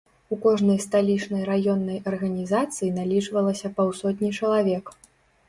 У кожнай сталічнай раённай арганізацыі налічвалася паўсотні чалавек.